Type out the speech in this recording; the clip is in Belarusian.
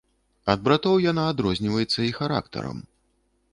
Ад братоў яна адрозніваецца і характарам.